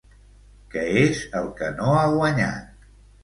Què és el que no ha guanyat?